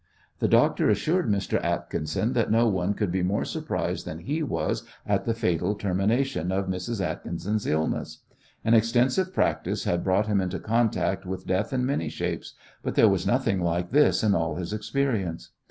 The doctor assured Mr. Atkinson that no one could be more surprised than he was at the fatal termination of Mrs. Atkinson's illness. An extensive practice had brought him into contact with death in many shapes, but there was nothing like this in all his experience.